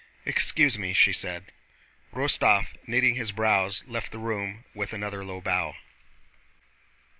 "Excuse me!" she said. Rostóv, knitting his brows, left the room with another low bow.